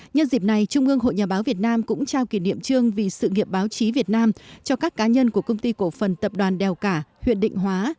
nhân dịp này trung ương hội nhà báo việt nam cũng trao kỷ niệm trương vì sự nghiệp báo chí việt nam cho các cá nhân của công ty cổ phần tập đoàn đèo cả huyện định hóa